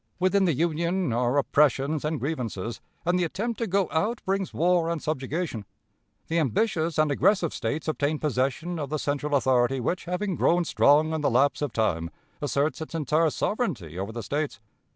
Within the Union are oppressions and grievances; and the attempt to go out brings war and subjugation. The ambitious and aggressive States obtain possession of the central authority which, having grown strong in the lapse of time, asserts its entire sovereignty over the States.